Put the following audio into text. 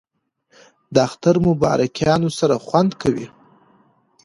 د اختر مبارکیانو سره خوند کوي